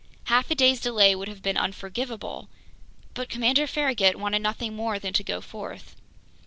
Half a day's delay would have been unforgivable! But Commander Farragut wanted nothing more than to go forth.